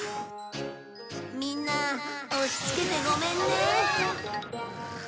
みんな押しつけてごめんね。